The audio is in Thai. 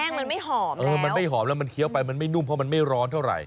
มันไม่หอมเออมันไม่หอมแล้วมันเคี้ยวไปมันไม่นุ่มเพราะมันไม่ร้อนเท่าไหร